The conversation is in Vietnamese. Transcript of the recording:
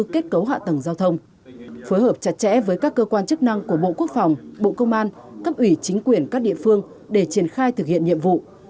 kết hợp chặt chẽ với các cơ quan chức năng của bộ quốc phòng bộ công an cấp ủy chính quyền các địa phương để triển khai thực hiện nhiệm vụ